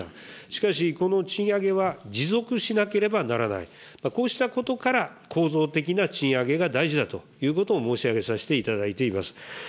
しかしこの賃上げは持続しなければならない、こうしたことから、構造的な賃上げが大事だということを申し上げさせていただいています。